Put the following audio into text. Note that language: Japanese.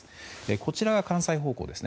こちらが関西方向ですね。